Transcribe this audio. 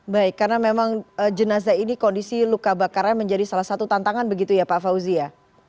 baik karena memang jenazah ini kondisi luka bakarnya menjadi salah satu tantangan begitu ya pak fauzi ya